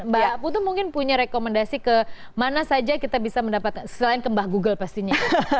mbak putu mungkin punya rekomendasi ke mana saja kita bisa mendapatkan selain ke mbak google pastinya